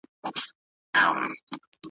نور به ولټوي ځانته بله چاره ,